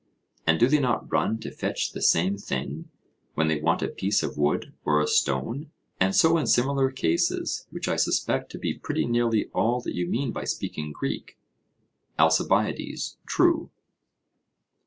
and do they not run to fetch the same thing, when they want a piece of wood or a stone? And so in similar cases, which I suspect to be pretty nearly all that you mean by speaking Greek. ALCIBIADES: True.